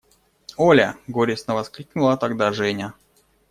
– Оля! – горестно воскликнула тогда Женя.